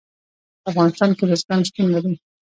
په افغانستان کې بزګان شتون لري.